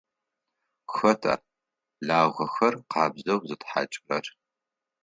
Хэта лагъэхэр къабзэу зытхьакӏырэр?